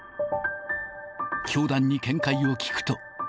教団に見解を聞くと。